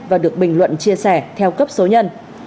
và được bình luận chia sẻ theo cấp số nhân